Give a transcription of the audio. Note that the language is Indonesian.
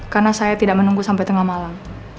karena saya tidak menunggu sampai tengah malam